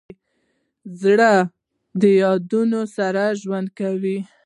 زړه د یادونو سره ژوند کوي.